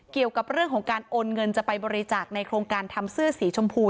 เกี่ยวกับเรื่องของการโอนเงินจะไปบริจาคในโครงการทำเสื้อสีชมพู